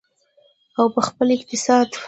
او په خپل اقتصاد.